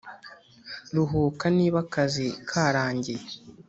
ruhuka niba akazi karangiye